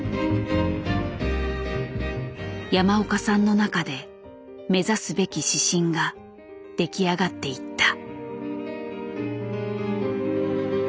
山岡さんの中で目指すべき指針が出来上がっていった。